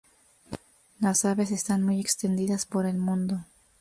Las aves están muy extendidas por el mundo.